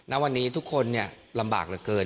ณวันนี้ทุกคนลำบากเหลือเกิน